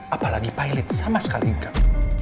apalagi pailit sama sekali tidak